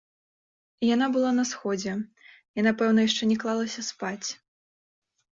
Яна была на сходзе, яна пэўна яшчэ не клалася спаць.